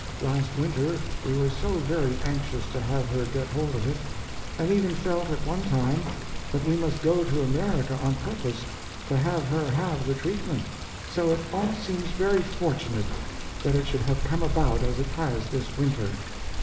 Last winter we were so very anxious to have her get hold of it, and even felt at one time that we must go to America on purpose to have her have the treatment, so it all seems very fortunate that it should have come about as it has this winter.